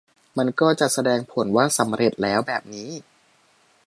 มันก็จะแสดงผลว่าสำเร็จแล้วแบบนี้